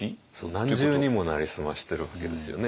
何重にも成り済ましてるわけですよね。